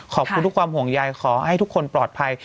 ขอบคุณทุกความห่วงใยขอให้ทุกคนปลอดภัย